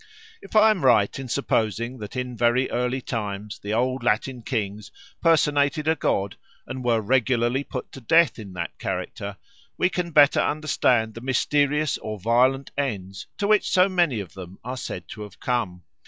If I am right in supposing that in very early times the old Latin kings personated a god and were regularly put to death in that character, we can better understand the mysterious or violent ends to which so many of them are said to have come.